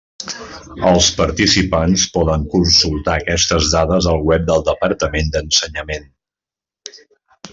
Els participants poden consultar aquestes dades al web del Departament d'Ensenyament.